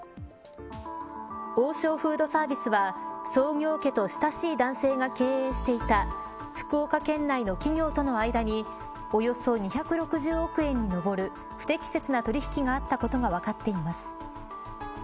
王将フードサービスは創業家と親しい男性が経営していた福岡県内の企業との間におよそ２６０億円に上る不適切な取引があったことが分かっています。